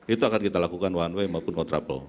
itu akan kita lakukan one way maupun kontraple